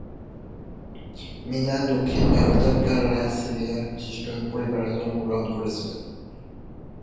মীনা দক্ষিণ ভারতের কেরালার সিরিয়ার খ্রিস্টান পরিবারে জন্মগ্রহণ করেছিলেন।